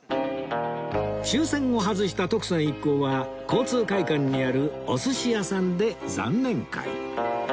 抽選を外した徳さん一行は交通会館にあるお寿司屋さんで残念会